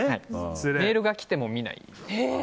メールが来ても見ない。